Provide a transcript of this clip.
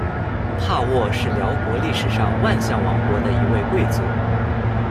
帕沃是寮国历史上万象王国的一位贵族。